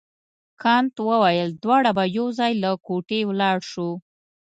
کانت وویل دواړه به یو ځای له کوټې ولاړ شو.